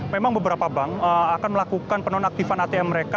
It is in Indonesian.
memang beberapa bank akan melakukan penonaktifan atm mereka